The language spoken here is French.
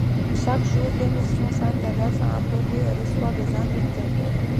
Chaque jour, l'émission s'intéresse à un produit et reçoit des invités.